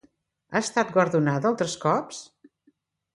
Ha estat guardonada altres cops?